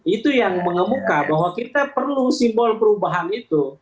itu yang mengemuka bahwa kita perlu simbol perubahan itu